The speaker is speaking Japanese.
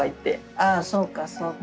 あそうかそうか。